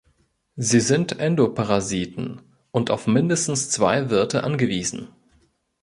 Sie sind Endoparasiten und auf mindestens zwei Wirte angewiesen.